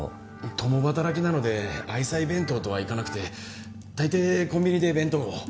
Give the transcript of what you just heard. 共働きなので愛妻弁当とはいかなくて大抵コンビニで弁当を。